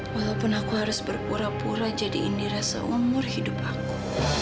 walaupun aku harus berpura pura jadi indira seumur hidup aku